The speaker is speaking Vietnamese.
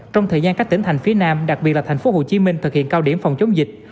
trong thời gian các tỉnh thành phía nam đặc biệt là thành phố hồ chí minh thực hiện cao điểm phòng chống dịch